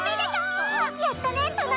やったね殿！